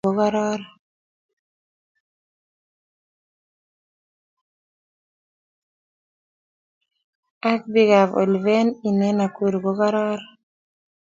Ak bikab Oliven in en Nakuru ko kararan